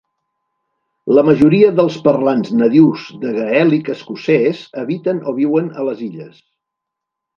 La majoria dels parlants nadius de gaèlic escocès habiten o viuen a les illes.